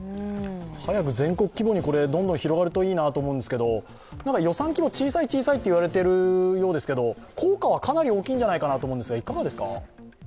早く全国規模にどんどん広がるといいなと思うんですけど予算規模、小さい小さいと言われているようですけど、効果はかなり大きいんじゃないかと思うんですがいかがですか？